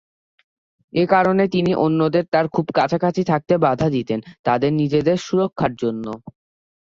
এ কারণে তিনি অন্যদের তার খুব কাছাকাছি থাকতে বাধা দিতেন, তাদের নিজেদের সুরক্ষার জন্য।